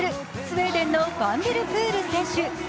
スウェーデンのファンデルプール選手。